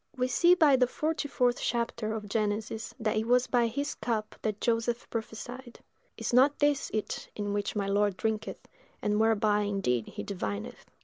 We see by the forty fourth chapter of Genesis that it was by his cup that Joseph prophesied: "Is not this it in which my lord drinketh, and whereby indeed he divineth?"